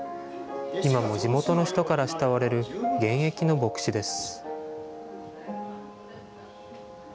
今も地元の人から慕われる現役の牧師です。